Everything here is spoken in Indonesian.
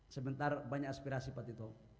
sebentar banyak aspirasi pak tito